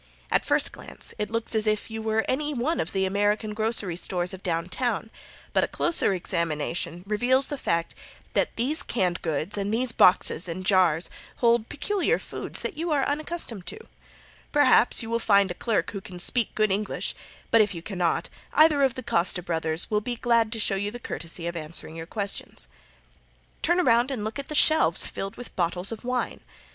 At first glance it looks as if you were in any one of the American grocery stores of down town, but a closer examination reveals the fact that these canned goods and these boxes and jars, hold peculiar foods that you are unaccustomed to. Perhaps you will find a clerk who can speak good English, but if you cannot either of the Costa brothers will be glad to show you the courtesy of answering your questions. Turn around and look at the shelves filled with bottles of wine.